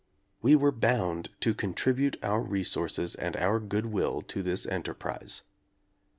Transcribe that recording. We were bound to contribute our re sources and our good will to this enterprise.